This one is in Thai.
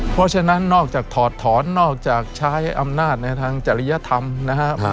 เพราะฉะนั้นนอกจากถอดถอนนอกจากใช้อำนาจในทางจริยธรรมนะครับ